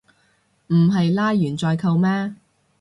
唔係拉完先扣咩